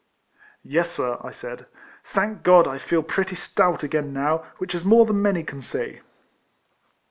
" Yes, Sir," I said, " thank God I feel pretty stout again now, which is more than many can say."